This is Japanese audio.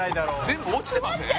全部落ちてません？